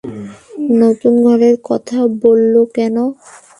নতুন ঘরের কথা বললো কেনো?